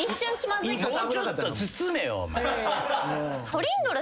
もうちょっと包めよ。